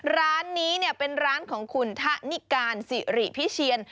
ร้านนี้เป็นร้านของคุณทะนิการสิริพิเชียน